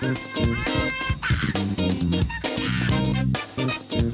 น้ำตาววายคุณผู้ชม